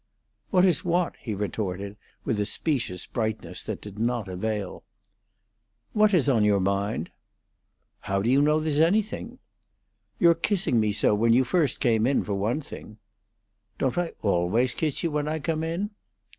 "What is what?" he retorted, with a specious brightness that did not avail. "What is on your mind?" "How do you know there's anything?" "Your kissing me so when you came in, for one thing." "Don't I always kiss you when I come in?"